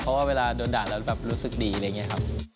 เพราะว่าเวลาโดนด่าแล้วแบบรู้สึกดีอะไรอย่างนี้ครับ